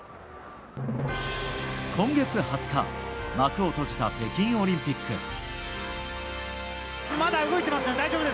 今月２０日幕を閉じた北京オリンピック。